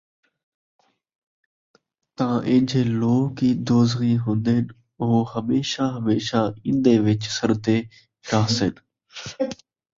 تاں اِہجے لوک ای دوزخی ہوندن، او ہمیشہ ہمیشہ ایندے وِچ سَڑدے رَہسن ۔